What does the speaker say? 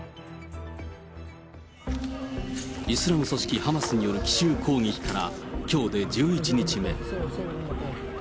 イスラム組織ハマスによる奇襲攻撃からきょうで１１日目。